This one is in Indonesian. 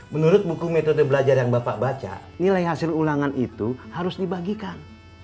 menurut buku metode belajar yang bapak baca nilai hasil ulangan itu harus dibagikan